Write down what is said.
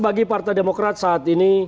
bagi partai demokrat saat ini